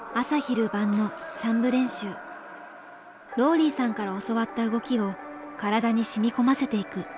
ローリーさんから教わった動きを体にしみこませていく。